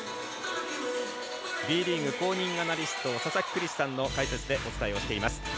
Ｂリーグ公認アナリスト佐々木クリスさんの解説でお伝えをしています。